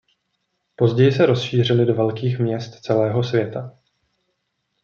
Později se rozšířily do velkých měst celého světa.